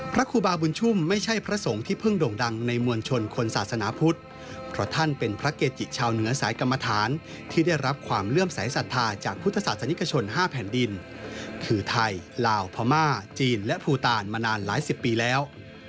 พระครูบาบุญชุ่มไม่ใช่พระสงฆ์ที่เพิ่งโด่งดังในมวลชนคนศาสนาพุทธเพราะท่านเป็นพระเกจิชาวเหนือสายกรรมฐานที่ได้รับความเลื่อมสายศรัทธาจากพุทธศาสนิกชน๕แผ่นดินคือไทยลาวพม่าจีนและภูตาลมานานหลายสิบปีแล้ว